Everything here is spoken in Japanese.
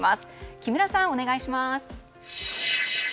木村さん、お願いします。